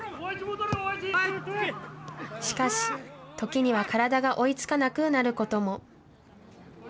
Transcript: しかし、時には体が追いつかなくなることも。